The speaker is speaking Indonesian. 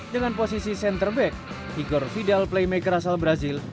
dengan posisi centerback igor vidal playmaker asal brazil